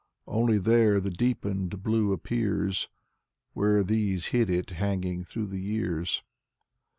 Only there the deepened blue appears Where these hid it, hanging through the years.